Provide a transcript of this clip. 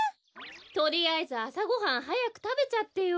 とりあえずあさごはんはやくたべちゃってよ。